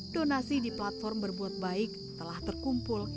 donasi di platform berbuat baik telah terkumpul